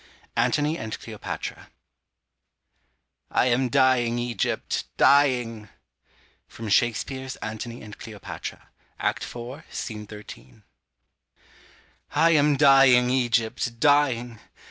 ANTONY AND CLEOPATRA. "I am dying, Egypt, dying." SHAKESPEARE'S Antony and Cleopatra, Act iv. Sc. 13. I am dying, Egypt, dying.